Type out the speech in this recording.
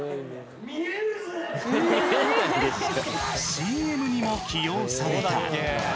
ＣＭにも起用された。